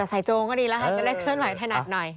โจงก็ดีแล้วค่ะจะได้เคลื่อนไหวถนัดหน่อย